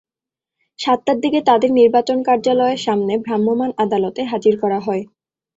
সাতটার দিকে তাঁদের নির্বাচন কার্যালয়ের সামনে ভ্রাম্যমাণ আদালতে হাজির করা হয়।